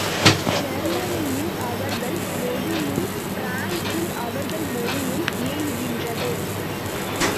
Germany யில் அவர்கள் மொழியும் பிரான்சில் அவர்கள் மொழியும் இயங்குகின்றது.